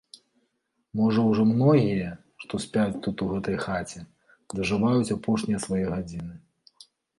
Можа ўжо многія, што спяць тут у гэтай хаце, дажываюць апошнія свае гадзіны.